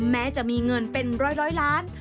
แม้จะมีเงินเป็นร้อยล้าน